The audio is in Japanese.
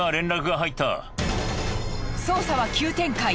捜査は急展開。